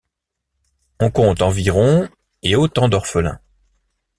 On compte environ et autant d'orphelins.